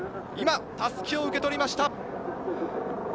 今、襷を受け取りました。